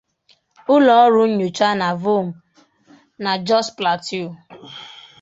Ụlọ ọrụ nyocha na Vom na Jos Plateau.